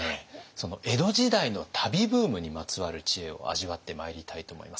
その江戸時代の旅ブームにまつわる知恵を味わってまいりたいと思います。